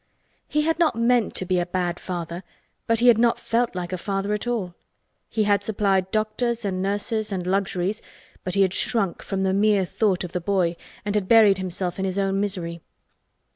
He had not meant to be a bad father, but he had not felt like a father at all. He had supplied doctors and nurses and luxuries, but he had shrunk from the mere thought of the boy and had buried himself in his own misery.